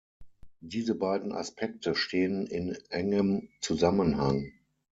Diese beiden Aspekte stehen in engem Zusammenhang.